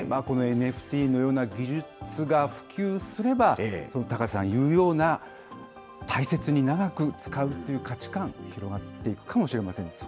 このＮＦＴのような技術が普及すれば、高瀬さん言うような、大切に長く使うという価値観、広がっていくかもしれません。